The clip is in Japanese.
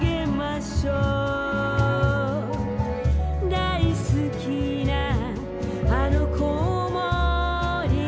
「大好きなあの子守唄を」